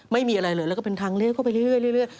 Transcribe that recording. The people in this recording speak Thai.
ไม่มีอะไรเลยแล้วก็เป็นทางเลี้ยวเข้าไปเรื่อย